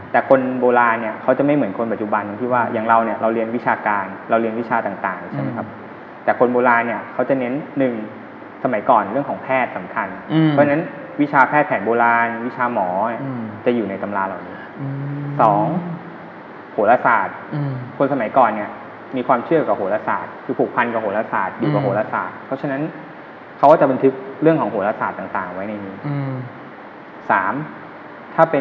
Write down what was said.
แต่คนโบราณเนี้ยเขาจะไม่เหมือนคนปัจจุบันที่ว่าอย่างเราเนี้ยเราเรียนวิชาการเราเรียนวิชาต่างต่างใช่ไหมครับแต่คนโบราณเนี้ยเขาจะเน้นหนึ่งสมัยก่อนเรื่องของแพทย์สำคัญอืมเพราะฉะนั้นวิชาแพทย์แผนโบราณวิชาหมอเนี้ยอืมจะอยู่ในตำราเหล่านี้อืมสองโหลศาสตร์อืมคนสมัยก่อนเนี้ยมีความเชื่อกับโ